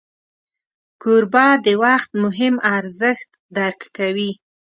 کوربه د وخت مهم ارزښت درک کوي.